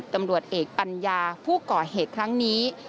ตำรวจเอกปัญญาผู้ก่อเหตุครั้งนี้